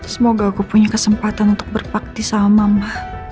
semoga aku punya kesempatan untuk berbakti sama mama